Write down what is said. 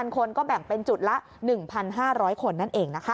คนก็แบ่งเป็นจุดละ๑๕๐๐คนนั่นเองนะคะ